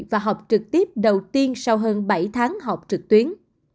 và học trực tiếp đầu tiên sau hơn bảy tháng học trực tuyến